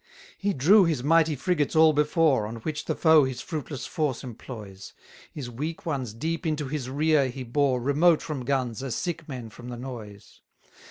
91 He drew his mighty frigates all before, On which the foe his fruitless force employs: His weak ones deep into his rear he bore Remote from guns, as sick men from the noise.